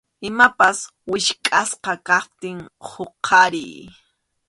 Imapas wichqʼasqa kaptin huqariy.